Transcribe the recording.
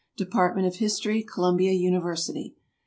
Department of History, Columbia University.